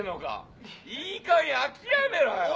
いいかげん諦めろよ。